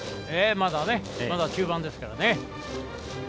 まだ中盤ですからね。